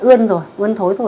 ươn rồi ươn thối rồi